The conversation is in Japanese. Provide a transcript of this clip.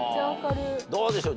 どうでしょう？